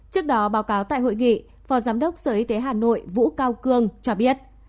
trước đó báo cáo tại hội nghị phó giám đốc sở y tế hà nội vũ cao cương cho biết